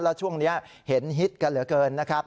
แล้วช่วงนี้เห็นฮิตกันเหลือเกินนะครับ